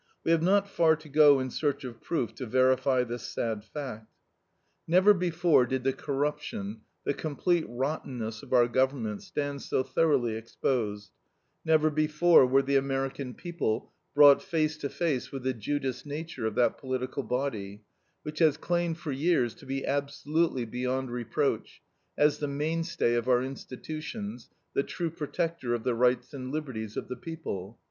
We have not far to go in search of proof to verify this sad fact. Never before did the corruption, the complete rottenness of our government stand so thoroughly exposed; never before were the American people brought face to face with the Judas nature of that political body, which has claimed for years to be absolutely beyond reproach, as the mainstay of our institutions, the true protector of the rights and liberties of the people.